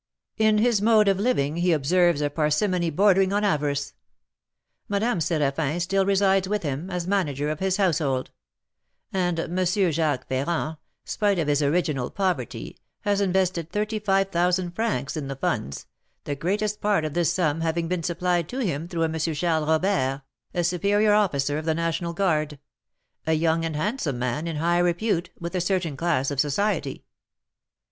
In his mode of living he observes a parsimony bordering on avarice. Madame Séraphin still resides with him, as manager of his household; and M. Jacques Ferrand, spite of his original poverty, has invested thirty five thousand francs in the funds, the greatest part of this sum having been supplied to him through a M. Charles Robert, a superior officer of the National Guard, a young and handsome man, in high repute with a certain class of society.